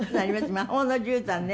「魔法のじゅうたん」ね